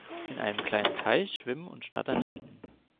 In einem kleinen Teich schwimmen und schnattern Enten.